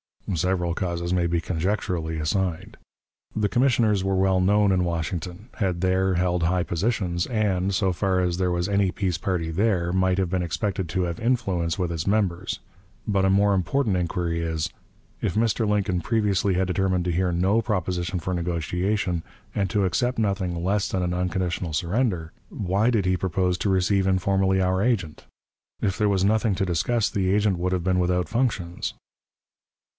Several causes may be conjecturally assigned. The commissioners were well known in Washington, had there held high positions, and, so far as there was any peace party there, might have been expected to have influence with its members; but a more important inquiry is: If Mr. Lincoln previously had determined to hear no proposition for negotiation, and to accept nothing less than an unconditional surrender, why did he propose to receive informally our agent? If there was nothing to discuss, the agent would have been without functions.